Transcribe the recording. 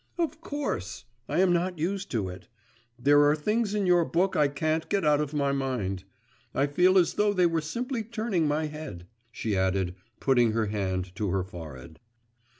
'Of course; I am not used to it. There are things in your book I can't get out of my mind; I feel as though they were simply turning my head,' she added, putting her hand to her forehead.